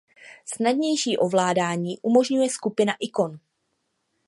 Snadnější ovládání umožňuje skupina ikon.